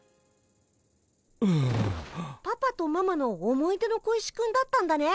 パパとママの思い出の小石くんだったんだね。